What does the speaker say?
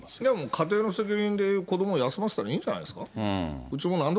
家庭の責任で、子ども休ませたらいいんじゃないですか。